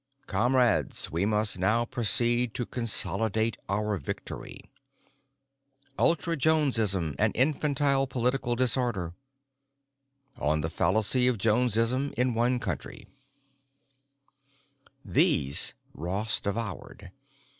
"Comrades, We Must Now Proceed to Consolidate Our Victory"; "Ultra Jonesism, An Infantile Political Disorder"; "On The Fallacy of 'Jonesism In One Country'." These Ross devoured.